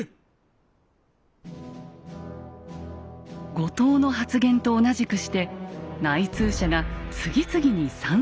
後藤の発言と同じくして内通者が次々に賛成を表明。